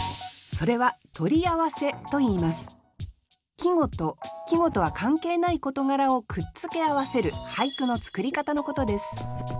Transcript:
季語と季語とは関係ない事柄をくっつけ合わせる俳句の作り方のことです